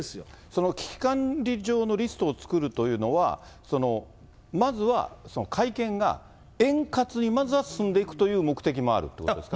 その危機管理上のリストを作るというのは、まずは会見が円滑に、まずは進んでいくという目的もあるってことですか。